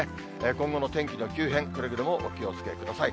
今後の天気の急変、くれぐれもお気をつけください。